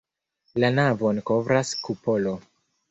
La navon kovras kupolo.